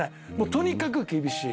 とにかく厳しい。